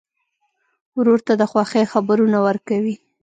ورور ته د خوښۍ خبرونه ورکوې.